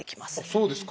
そうですか！